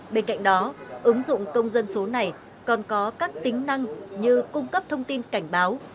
bên cạnh đó ứng dụng công dân số này còn có các tính năng như cung cấp thông tin cảnh báo